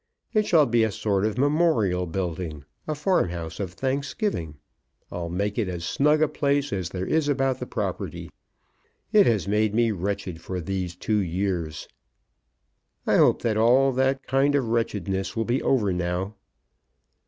It shall be a sort of memorial building, a farmhouse of thanksgiving. I'll make it as snug a place as there is about the property. It has made me wretched for these two years." "I hope all that kind of wretchedness will be over now."